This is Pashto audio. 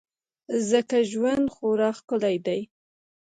ځکه ژوند خورا ښکلی دی.